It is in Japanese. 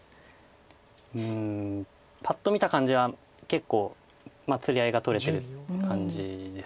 うんパッと見た感じは結構つり合いがとれてる感じですか。